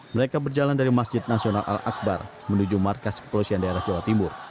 mereka berjalan dari masjid nasional al akbar menuju markas kepolisian daerah jawa timur